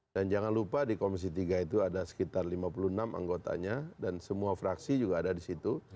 dan jangan lupa di komisi tiga itu ada sekitar lima puluh enam anggotanya dan semua fraksi juga ada di situ